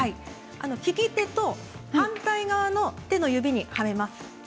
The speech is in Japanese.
利き手と反対側の手の指にはめます。